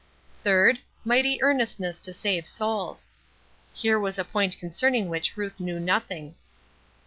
"Third, mighty earnestness to save souls." Here was a point concerning which Ruth knew nothing.